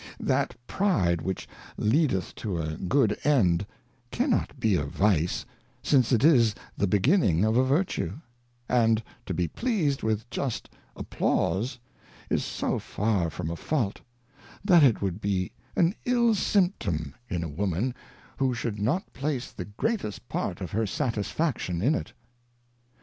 That Pride which leadeth to a good End, cannot be a Vice, since it is the beginning of a Vertue ; and to be pleased with just Applause, is so far from a Fault, that it would be an ill Symptom in a Woman, 44 Advice to a Daughter, Woman, who should not place the greatest part of her Satis faction in it.